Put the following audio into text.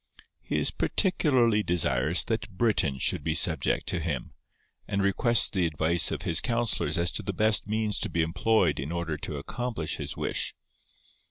He is particularly desirous that Britain should be subject to him, and requests the advice of his counsellors as to the best means to be employed in order to accomplish his wish.